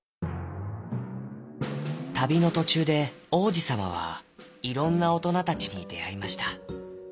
たびのとちゅうで王子さまはいろんなおとなたちにであいました。